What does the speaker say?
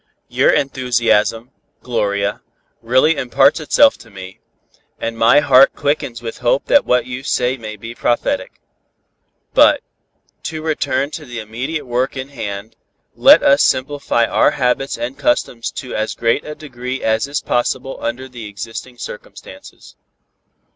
"Your enthusiasm, Gloria, readily imparts itself to me, and my heart quickens with hope that what you say may be prophetic. But, to return to the immediate work in hand, let us simplify our habits and customs to as great a degree as is possible under existing circumstances.